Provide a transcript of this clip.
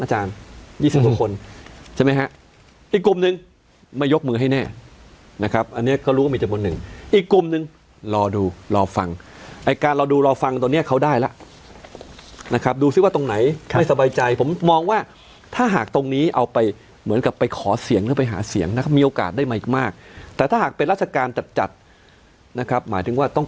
หนึ่งอีกกลุ่มหนึ่งรอดูรอฟังไอการรอดูรอฟังตัวเนี้ยเขาได้ล่ะนะครับดูซิว่าตรงไหนไม่สบายใจผมมองว่าถ้าหากตรงนี้เอาไปเหมือนกับไปขอเสียงหรือไปหาเสียงนะครับมีโอกาสได้มากแต่ถ้าหากเป็นราชกาลจัดนะครับหมายถึง